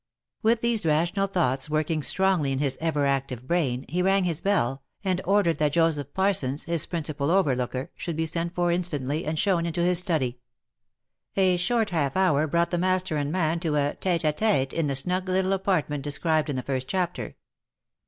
With these rational thoughts working strongly in his ever active brain, he rang his bell, and ordered that Joseph Parsons, his prin cipal overlooker, should be sent for instantly, and shown into his study. A short half hour brought the master and man to a tete a tcte in the snug little apartment described in the first chapter.